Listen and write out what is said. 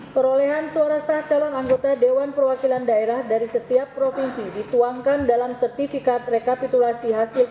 perolehan suara sah calon anggota dewan perwakilan daerah dari setiap provinsi dituangkan dalam sertifikat rekapitulasi hasil